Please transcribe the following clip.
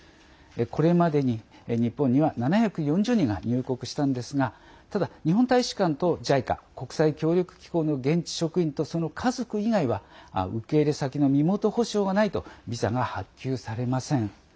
これまでに日本には７４０人が入国したんですがただ、日本大使館とＪＩＣＡ＝国際協力機構の現地職員と、その家族以外は受け入れ先の身元保証がないとビザが発給されません。